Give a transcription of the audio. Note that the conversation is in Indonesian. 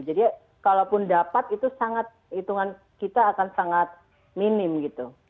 jadi kalau pun dapat itu sangat hitungan kita akan sangat minim gitu